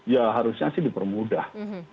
ya harusnya sih dipermudah